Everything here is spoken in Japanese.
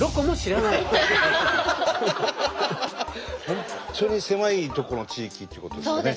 本当に狭いとこの地域ってことですかね。